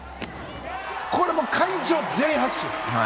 これも会場全員拍手。